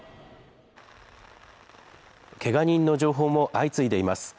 けが人の情報も相次いでいます。